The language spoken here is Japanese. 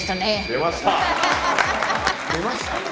出ました！